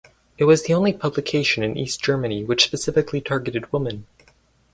It was the only publication in East Germany which specifically targeted women.